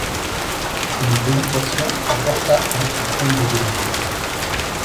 Une lévitation la porta jusqu'aux combles de l'église.